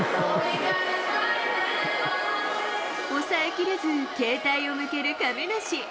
抑えきれず、携帯を向ける亀梨。